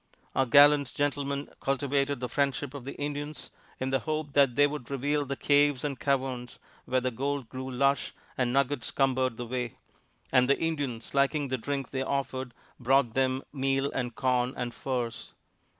Our gallant gentlemen cultivated the friendship of the Indians, in the hope that they would reveal the caves and caverns where the gold grew lush and nuggets cumbered the way; and the Indians, liking the drink they offered, brought them meal and corn and furs.